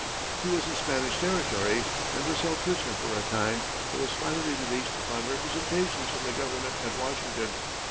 He was in Spanish territory, and was held prisoner for a time, but was finally released upon representations from the government at Washington.